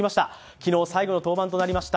昨日、最後の登板となりました